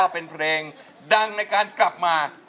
เป็นเพลงดังในการกลับมา